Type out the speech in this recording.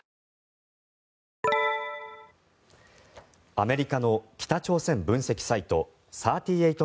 アメリカの北朝鮮分析サイト３８